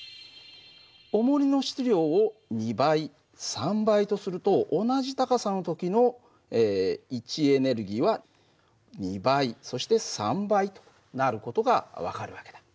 おもりの質量を２倍３倍とすると同じ高さの時の位置エネルギーは２倍そして３倍となる事が分かる訳だ。